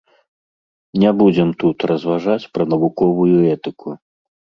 Не будзем тут разважаць пра навуковую этыку.